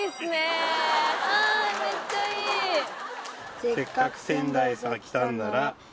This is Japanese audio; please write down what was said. それ「せっかく仙台さ来たんなら」